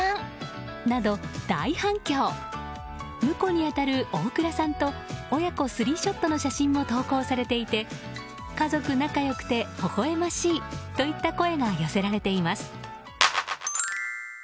婿に当たる大倉さんと親子スリーショットの写真も投稿されていて家族仲良くて、ほほ笑ましいといった声が寄せられています。